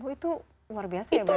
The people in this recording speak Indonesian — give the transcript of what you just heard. itu luar biasa ya berarti